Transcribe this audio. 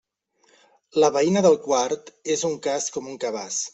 La veïna del quart és un cas com un cabàs.